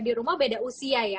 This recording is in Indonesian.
di rumah beda usia ya